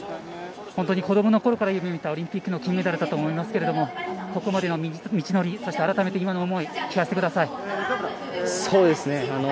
本当に子供のころから夢見ていたオリンピックの金メダルかと思いますけどここまでの道のり、そして改めて今の思い、聞かせてください。